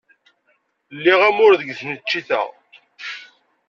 Liɣ amur deg tneččit-a.